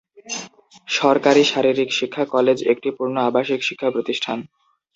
সরকারি শারীরিক শিক্ষা কলেজ একটি পূর্ণ আবাসিক শিক্ষা প্রতিষ্ঠান।